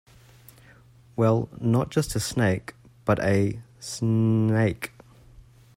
Well, not just a snake, but a s-s-s-n-n-n-a-ke.